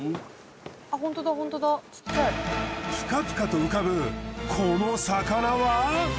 プカプカと浮かぶこの魚は！？